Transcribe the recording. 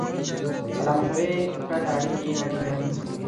سلامشورې پرته اړیکې نه ټینګوي.